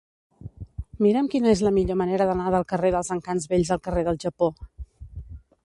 Mira'm quina és la millor manera d'anar del carrer dels Encants Vells al carrer del Japó.